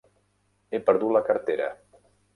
He perdut la cartera.